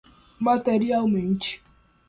materialmente